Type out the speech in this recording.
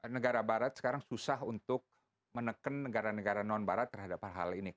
negara barat sekarang susah untuk menekan negara negara non barat terhadap hal hal ini